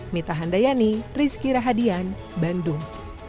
mita handayani rizky rahadian bandung